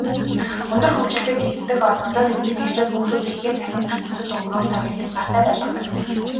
Өндөр хөгжилтэй гэгддэг орнуудад эцэг эхчүүд хүүхдүүдийнхээ цахим ертөнцөд өнгөрөөх цагийг хязгаартай байлгадаг.